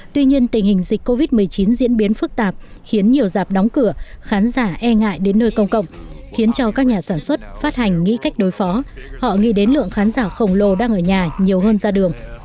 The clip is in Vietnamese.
tuy nhiên tình hình dịch covid một mươi chín diễn biến phức tạp khiến nhiều dạp đóng cửa khán giả e ngại đến nơi công cộng khiến cho các nhà sản xuất phát hành nghĩ cách đối phó họ nghĩ đến lượng khán giả khổng lồ đang ở nhà nhiều hơn ra đường